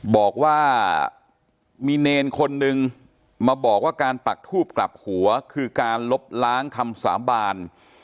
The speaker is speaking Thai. บอกว่ามีเนรคนนึงมาบอกว่าการปักทูบกลับหัวคือการลบล้างคำสาบาน